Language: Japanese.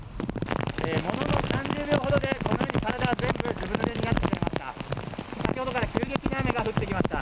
ものの３０秒ほどでこのように体が全部ずぶぬれになってしまいました。